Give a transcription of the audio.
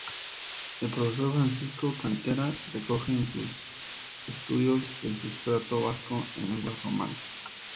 El profesor Francisco Cantera recoge en sus estudios el sustrato vasco en lenguas romances.